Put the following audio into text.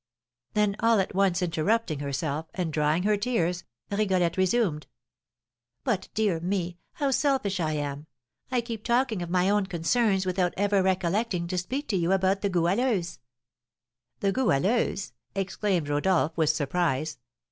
Then all at once interrupting herself, and drying her tears, Rigolette resumed: "But, dear me, how selfish I am! I keep talking of my own concerns without ever recollecting to speak to you about the Goualeuse." "The Goualeuse!" exclaimed Rodolph, with surprise.